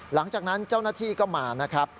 หลังจากนั้นเจ้าหน้าที่ก็มานะครับ